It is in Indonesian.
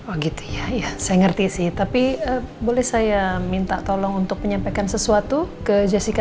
oh gitu ya ya saya ngerti sih tapi boleh saya minta tolong untuk menyampaikan sesuatu ke jessica